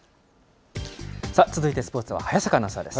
続いてスポーツは早坂アナウンサーです。